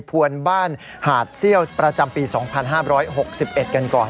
ภวรบ้านหาดเซี่ยวประจำปีสองพันห้าร้อยหกสิบเอ็ดกันก่อน